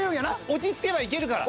落ち着けばいけるから。